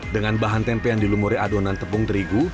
dengan bahan tempe yang dilumuri adonan tepung terigu